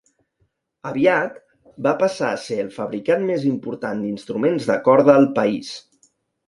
Aviat va passar a ser el fabricant més important d"instruments de corda al país.